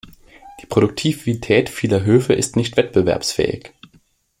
Die Produktivität vieler Höfe ist nicht wettbewerbsfähig.